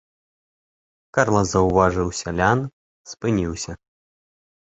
Карла заўважыў сялян, спыніўся.